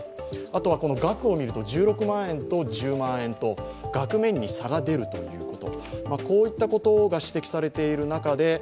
額を見ると１６万円と１０万円と額面に差が出るということ。